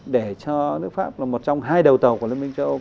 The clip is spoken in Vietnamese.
để cho nước pháp là một trong hai đầu tàu của liên minh châu âu